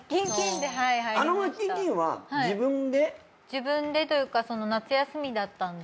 自分でというか夏休みだったんで。